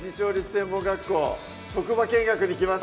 専門学校職場見学に来ました